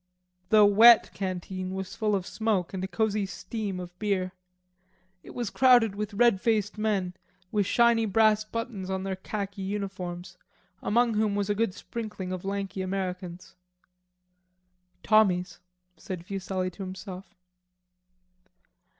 The "wet" canteen was full of smoke and a cosy steam of beer. It was crowded with red faced men, with shiny brass buttons on their khaki uniforms, among whom was a good sprinkling of lanky Americans. "Tommies," said Fuselli to himself.